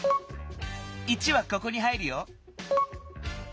１はここに入るよ。